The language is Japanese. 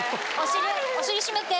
お尻締めて。